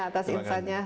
atas insya allah